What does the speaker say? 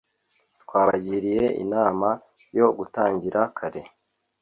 twabagiriye inama yo gutangira kare